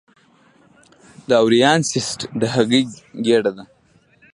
د اووریان سیسټ د هګۍ ګېډه ده.